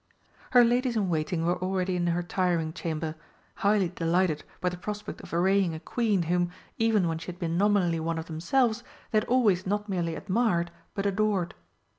Her ladies in waiting were already in her Tiring Chamber, highly delighted by the prospect of arraying a Queen whom, even when she had been nominally one of themselves, they had always not merely admired but adored.